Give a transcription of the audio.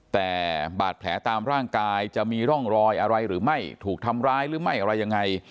แต่บาดแผลตามร่างกายจะมีร่องรอยอะไรหรือไม่ถูกทำร้ายหรือไม่อะไรยังไง